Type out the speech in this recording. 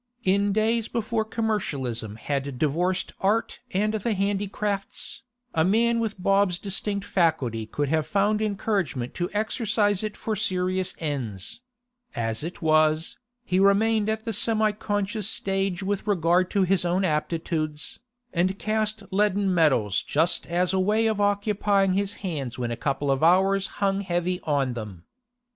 In days before commercialism had divorced art and the handicrafts, a man with Bob's distinct faculty would have found encouragement to exercise it for serious ends; as it was, he remained at the semi conscious stage with regard to his own aptitudes, and cast leaden medals just as a way of occupying his hands when a couple of hours hung heavy on them.